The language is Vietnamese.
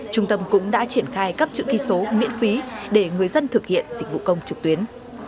trung tâm cũng đã triển khai cấp chữ ký số miễn phí để người dân thực hiện dịch vụ công trực tuyến